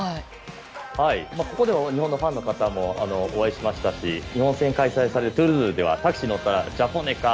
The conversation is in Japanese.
ここでは日本のファンの方にもお会いしましたし日本戦開催されるトゥールーズではタクシーに乗ったらジャポネか！